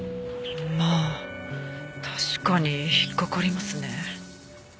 まあ確かに引っかかりますね。